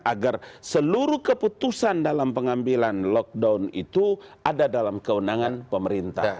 agar seluruh keputusan dalam pengambilan lockdown itu ada dalam kewenangan pemerintah